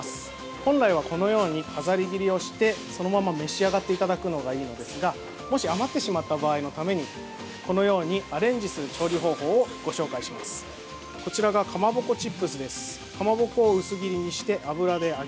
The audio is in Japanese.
本来はこのように飾り切りをしてそのまま召し上がっていただくのがいいのですがもし余ってしまった場合のためにこのようにアレンジする調理方法をご紹介します。